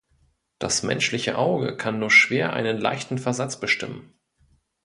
Das menschliche Auge kann nur schwer einen leichten Versatz bestimmen.